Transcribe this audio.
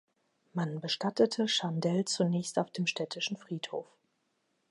Man bestattete Chandelle zunächst auf dem städtischen Friedhof.